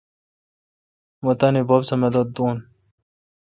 مہ تانی بب سہ مدد دون۔